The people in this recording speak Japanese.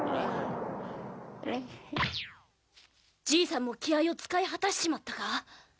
爺さんも気合を使い果たしちまったか？